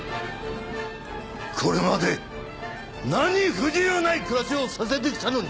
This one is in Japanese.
これまで何不自由ない暮らしをさせてきたのに！